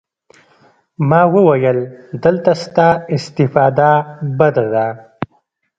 ما وويل دلته ستا استفاده بده ده.